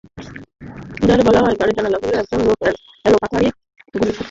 এজাহারে বলা হয়, গাড়ির জানালা খুলে একজন লোক এলোপাতাড়ি চার-পাঁচটি গুলি ছুড়েছে।